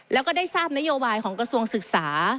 แล้วก็ได้ทราบนโยบายของกระทรวงศึกษา